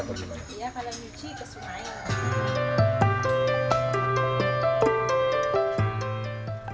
iya kalau nyuci ke sungai